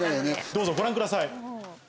どうぞご覧ください。